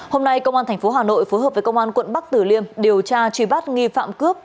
hôm nay công an tp hà nội phối hợp với công an quận bắc tử liêm điều tra truy bắt nghi phạm cướp